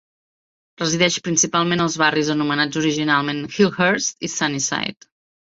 Resideix principalment als barris anomenats originalment Hillhurst i Sunnyside.